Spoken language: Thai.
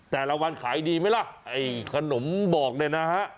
แต่อารมณ์ขายดีไหมล่ะไอ้ขนมบอกได้นะฮะ